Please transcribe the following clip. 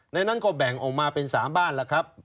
นั้นก็แบ่งออกมาเป็น๓บ้านแล้วครับ